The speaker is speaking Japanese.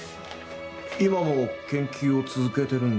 今も研究を続けてるんですか？